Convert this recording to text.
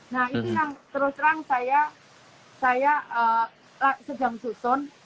nah itu yang terus terang saya sedang susun